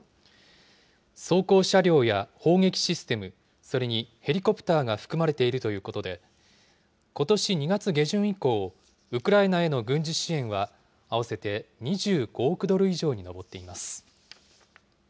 装甲車両や砲撃システム、それにヘリコプターが含まれているということで、ことし２月下旬以降、ウクライナへの軍事支援は合わせて２５億ドル以上に上っています。